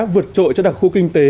vượt trội cho đặc khu kinh tế